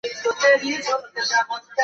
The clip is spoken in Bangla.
দেখিতে দেখিতে নৌকা পেনেটির দিকে অগ্রসর হইল।